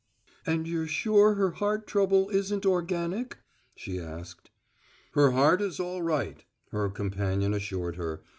"And you're sure her heart trouble isn't organic?" she asked. "Her heart is all right," her companion assured her.